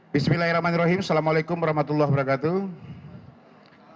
bismillahirrahmanirrahim assalamualaikum warahmatullahi wabarakatuh